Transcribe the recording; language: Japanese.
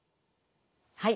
はい。